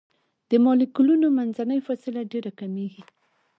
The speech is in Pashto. د مالیکولونو منځنۍ فاصله ډیره کمیږي.